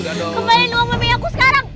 udah dong kembali luang mami aku sekarang